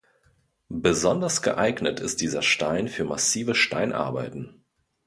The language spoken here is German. Besonders geeignet ist dieser Stein für massive Steinarbeiten.